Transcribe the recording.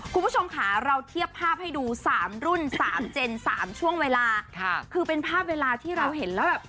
คุณผู้ชมค่ะเราเทียบภาพให้ดูสามรุ่นสามเจนสามช่วงเวลาค่ะคือเป็นภาพเวลาที่เราเห็นแล้วแบบ